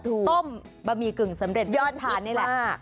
ต้มบะหมี่กึ่งสำเร็จรูปฐานเยอะแทบอีกมาก